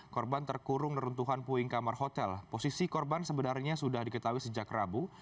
korban terkurung neruntuhan puing kamar hotel posisi korban sebenarnya sudah diketahui sejak rabu